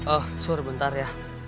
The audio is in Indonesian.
oh suruh bentar ya